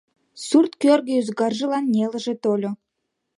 Сурт кӧргӧ ӱзгаржылан нелыже тольо.